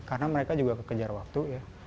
karena mereka juga kekejar waktu ya